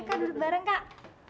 ayo duduk bareng kak